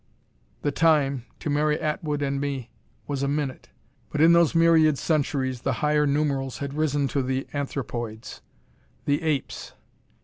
The Time, to Mary Atwood and me, was a minute but in those myriad centuries the higher numerals had risen to the anthropoids. The apes!